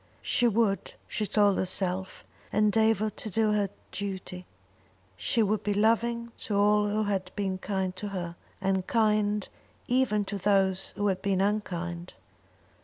She would, she told herself, endeavour to do her duty; she would be loving to all who had been kind to her, and kind even to those who had been unkind.